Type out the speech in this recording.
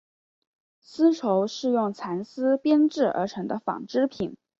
丝绸是用蚕丝编制而成的纺织品。